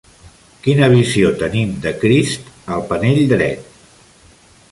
Quina visió tenim de Crist al panell dret?